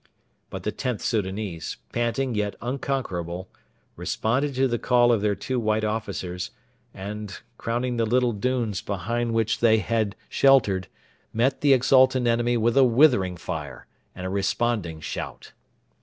But the Xth Soudanese, panting yet unconquerable, responded to the call of their two white officers, and, crowning the little dunes behind which they had sheltered, met the exultant enemy with a withering fire and a responding shout.